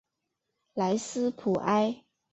莱斯普埃。